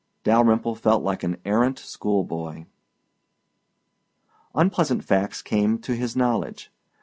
Dalyrimple felt like an errant schoolboy. Unpleasant facts came to his knowledge.